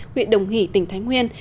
huyện đồng hỷ tỉnh thái nguyên